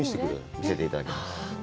見せていただけます。